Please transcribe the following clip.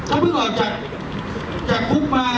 เขาเพิ่งออกจากคุกมา